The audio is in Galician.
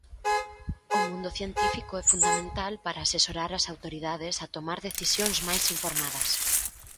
O mundo científico é fundamental para asesorar as autoridades a tomar decisións máis informadas.